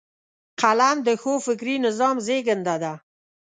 قلم د ښو فکري نظام زیږنده ده